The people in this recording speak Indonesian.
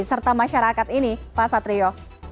serta masyarakat ini pak satrio